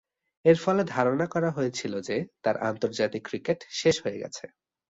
এরফলে ধারণা করা হয়েছিল যে, তার আন্তর্জাতিক ক্রিকেট শেষ হয়ে গেছে।